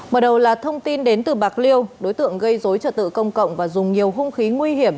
mở đầu là thông tin đến từ bạc liêu đối tượng gây dối trật tự công cộng và dùng nhiều hung khí nguy hiểm